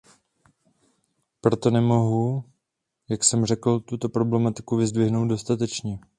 Proto nemohu, jak jsem řekl, tuto problematiku vyzdvihnout dostatečně.